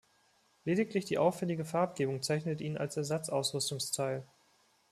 Lediglich die auffällige Farbgebung kennzeichnet ihn als Ersatz-Ausrüstungsteil.